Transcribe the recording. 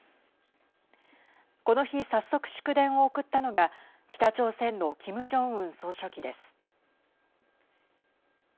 この日、早速祝電を送ったのが北朝鮮のキム・ジョンウン総書記です。